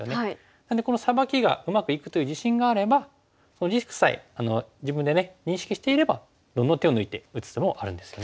なのでこのサバキがうまくいくという自信があればそのリスクさえ自分で認識していればどんどん手を抜いて打つ手もあるんですよね。